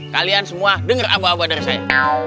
kalian semua denger abu abu dari saya